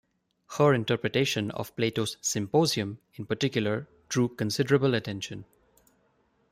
Her interpretation of Plato's "Symposium" in particular drew considerable attention.